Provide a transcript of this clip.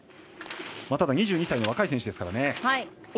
２２歳の若い選手ですからね。